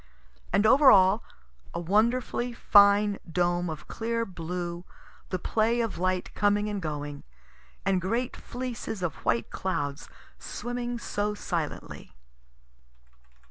And over all a wonderfully fine dome of clear blue, the play of light coming and going, and great fleeces of white clouds swimming so silently.